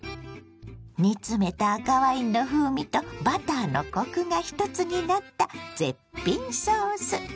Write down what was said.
煮詰めた赤ワインの風味とバターのコクが一つになった絶品ソース。